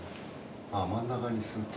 真ん中にすっと。